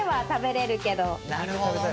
なるほどね。